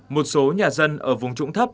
một số nhà dân ở vùng trũng thấp